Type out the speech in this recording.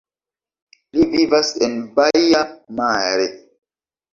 Li vivas en Baia Mare.